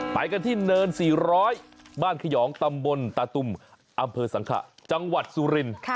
ไปกันที่เนิน๔๐๐บ้านขยองตำบลตาตุมอำเภอสังขะจังหวัดสุรินทร์